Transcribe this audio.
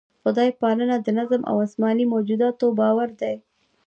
خدای پالنه د نظم او اسماني موجوداتو باور دی.